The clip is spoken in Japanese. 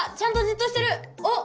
おっ。